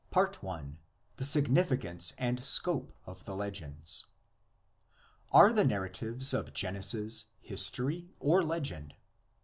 THE SIGNIFICANCE AND SCOPE OF THE LEGENDS. ARE the narratives of Genesis history or legend?